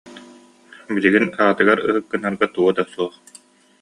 Билигин аҕатыгар ыһык гынарга туга да суох